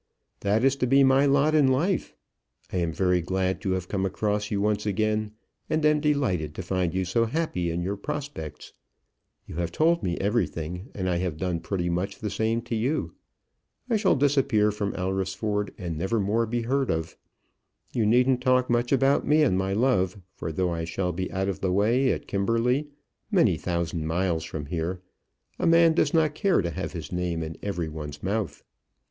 "That is to be my lot in life. I am very glad to have come across you once again, and am delighted to find you so happy in your prospects. You have told me everything, and I have done pretty much the same to you. I shall disappear from Alresford, and never more be heard of. You needn't talk much about me and my love; for though I shall be out of the way at Kimberley, many thousand miles from here, a man does not care to have his name in every one's mouth."